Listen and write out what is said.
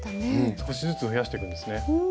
少しずつ増やしてくんですね。